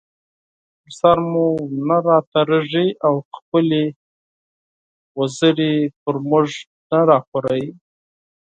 پر سر مو نه راتېريږي او خپلې وزرې پر مونږ نه راخوروي